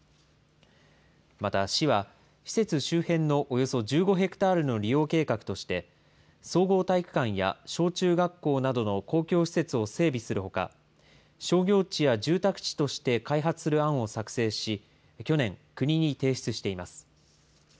また、市は施設周辺のおよそ１５ヘクタールの利用計画として総合体育館や小中学校などの公共施設を整備するほか、商業地や住宅地として開発する案を作成し、去年、国に提出しています。